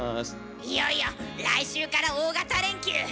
いよいよ来週から大型連休。